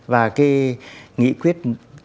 và cái nghị quyết